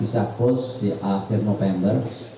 bisa close di akhir november